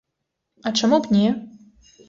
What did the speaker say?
А чаму б не?